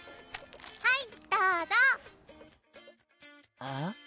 はいどうぞあっ？